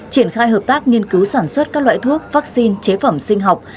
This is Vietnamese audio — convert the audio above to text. triển khai hợp tác nghiên cứu sản xuất các loại thuốc vaccine chế phẩm sinh học